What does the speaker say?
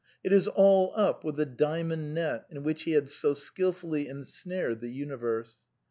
It is all up with the ^^ diamond net" in which he had so skilfully ensnared the uni verse.